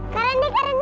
kak randy kak randy